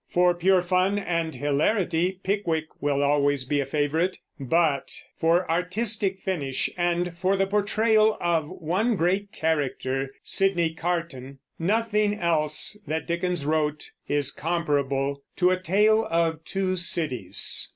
For pure fun and hilarity Pickwick will always be a favorite; but for artistic finish, and for the portrayal of one great character, Sydney Carton, nothing else that Dickens wrote is comparable to A Tale of Two Cities.